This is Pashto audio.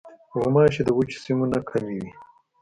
غوماشې د وچو سیمو نه کمې وي.